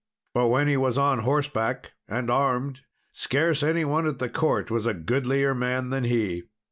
But when he was on horseback and armed, scarce any one at the court was a goodlier man than he.